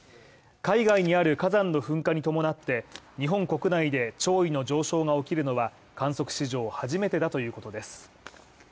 海外にある火山の噴火に伴って、日本国内で潮位の上昇が起きるのは観測史上初めてだということです。